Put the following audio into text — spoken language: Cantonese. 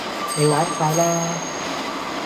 你玩曬啦